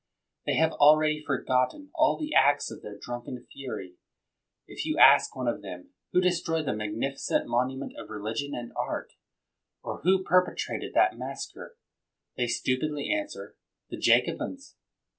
They have already forgotten all the acts of their drunken fur5\ If you ask one of them, Who destroyed that magnificent monument of relig ion and art? or who perpetrated that massacre? they stupidly answer, the Jacobins!